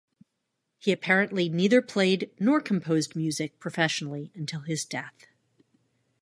He apparently neither played nor composed music professionally until his death.